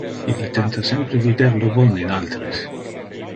Ille tenta sempre vider lo bon in alteres.